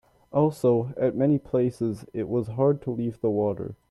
Also, at many places it was hard to leave the water.